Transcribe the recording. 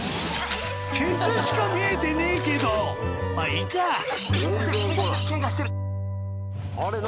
ケツしか見えてねえけどまぁいいかあれ？